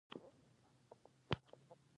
نوې ورځ د نویو کارونو لپاره ده